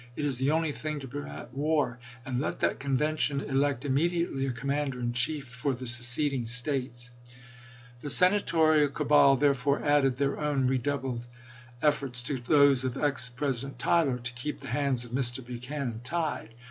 It is the only thing to prevent war; and let that mteiAgen convention elect immediately a commander in chief 30', i86i. ' for the seceding States." The Senatorial cabal therefore added their own redoubled efforts to those of ex President Tyler to "keep the hands of Mr. Buchanan tied."